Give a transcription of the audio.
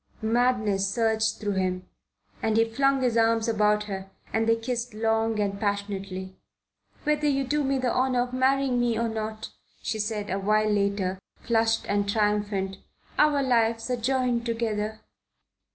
Madness surged through him and he flung his arms about her and they kissed long and passionately. "Whether you do me the honour of marrying me or not," she said a while later' flushed and triumphant, "our lives are joined together."